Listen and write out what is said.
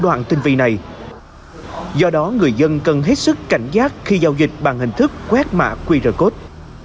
thủ đoạn tinh vi này do đó người dân cần hết sức cảnh giác khi giao dịch bằng hình thức quét mã qr code